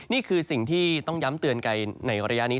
นี่คือสิ่งที่ต้องย้ำเตือนกันในระยะนี้